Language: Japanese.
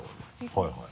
はいはい。